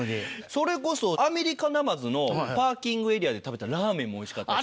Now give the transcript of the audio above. それこそアメリカナマズのパーキングエリアで食べたラーメンもおいしかった。